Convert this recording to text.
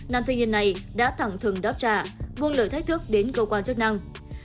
nam thanh niên này đã thẳng thừng đáp trả buôn lời thách thức đến cơ quan chức năng